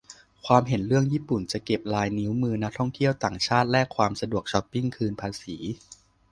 ความเห็นเรื่อง ญี่ปุ่นจะเก็บลายนิ้วมือนักท่องเที่ยวต่างชาติ แลกความสะดวก ช็อปปิ้ง คืนภาษี